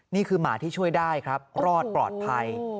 หมาที่ช่วยได้ครับรอดปลอดภัย